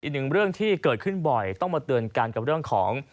อีกหนึ่งเรื่องที่เกิดขึ้นบ่อยต้องมาเตือนกันกับเรื่องของ